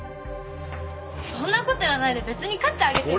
そんなこと言わないで別に飼ってあげても。